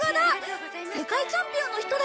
世界チャンピオンの人だよね？